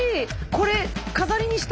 これ飾りにしたい。